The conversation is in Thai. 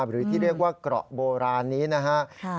หรือที่เรียกว่าเกราะโบราณนี้นะครับ